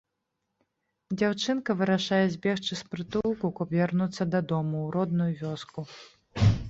Дзяўчынка вырашае збегчы з прытулку, каб вярнуцца дадому, у родную вёску.